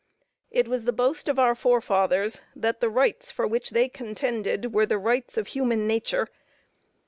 It was the boast of our forefathers, that the rights for which they contended were the rights of human nature.